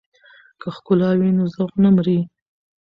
که ښکلا وي نو ذوق نه مري.